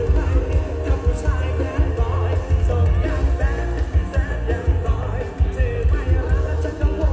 พักกับคนให้ดีพักกับคนให้แรง